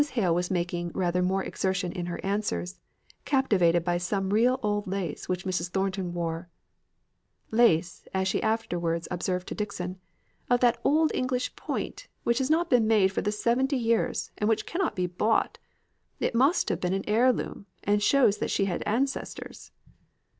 Hale was making rather more exertion in her answers, captivated by some real old lace which Mrs. Thornton wore; "lace," as she afterwards observed to Dixon, "of that old English point which has not been made for this seventy years, and which cannot be bought. It must have been an heir loom, and shows that she had ancestors."